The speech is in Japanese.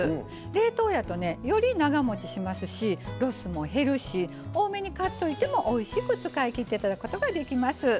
冷凍やと、より長もちしますしロスも減るし多めに買っといてもおいしく使いきっていただくことができます。